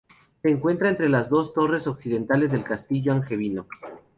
Se encuentra entre las dos torres occidentales del castillo angevino.